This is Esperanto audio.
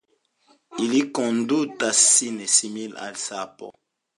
Ili kondutas sin simile al sapo.